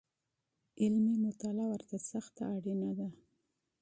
علمي مطالعه ورته سخته اړینه ده